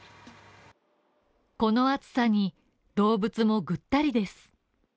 この暑さに動物もぐったりです。